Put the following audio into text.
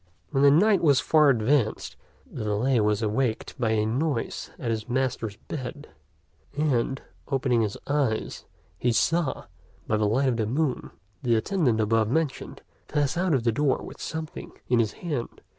When the night was far advanced, the valet was awaked by a noise at his master's bed: and, opening his eyes, he saw, by the light of the moon, the attendant above mentioned pass out of the door with something in his hand.